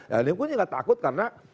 ya ini aku juga gak takut karena